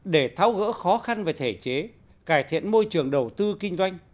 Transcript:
để tháo gỡ khó khăn về thể chế cải thiện môi trường đầu tư kinh doanh